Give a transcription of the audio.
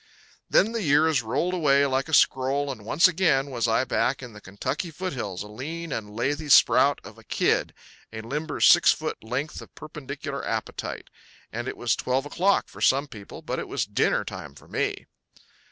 Then the years rolled away like a scroll and once again was I back in the Kentucky foothills, a lean and lathy sprout of a kid, a limber six foot length of perpendicular appetite; and it was twelve o'clock for some people, but it was dinner time for me!